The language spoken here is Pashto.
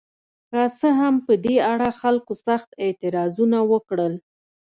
که څه هم په دې اړه خلکو سخت اعتراضونه وکړل.